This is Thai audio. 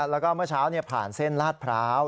แล้วก็เมื่อเช้าผ่านเส้นลาดพร้าว